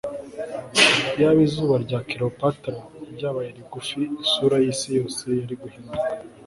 Iyaba izuru rya Cleopatra ryabaye rigufi isura yisi yose yari guhinduka